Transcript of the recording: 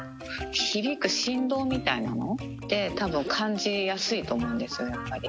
響く振動みたいなのって、たぶん感じやすいと思うんですよ、やっぱり。